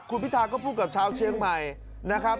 คุณพิธาก็พูดกับชาวเชียงใหม่นะครับ